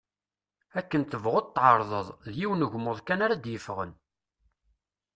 Akken tebɣuḍ tεerḍeḍ, d yiwen ugmuḍ kan ara d-yeffɣen.